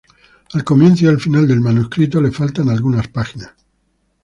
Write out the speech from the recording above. Al comienzo y al final del manuscrito le faltan algunas páginas.